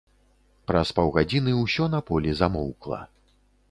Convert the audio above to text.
Праз паўгадзіны ўсё на полі замоўкла.